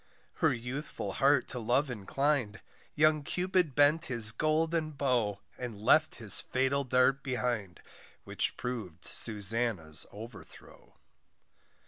Her youthful heart to love inclin'd, Young Cupid bent his golden bow, And left his fatal dart behind, Which prov'd Susannah's overthrow.